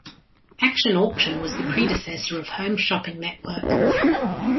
"Action Auction" was the predecessor of Home Shopping Network.